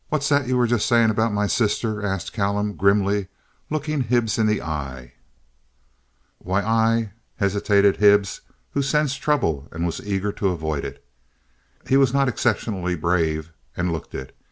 "What's that you were just saying about my sister?" asked Callum, grimly, looking Hibbs in the eye. "Why—I—" hesitated Hibbs, who sensed trouble and was eager to avoid it. He was not exceptionally brave and looked it.